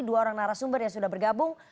dua orang narasumber yang sudah bergabung